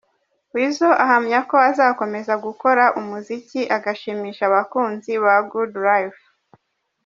Weasel ahamya ko azakomeza gukora umuziki agashimisha abakunzi ba Good life.